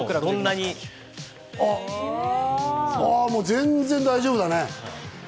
全然大丈夫だね。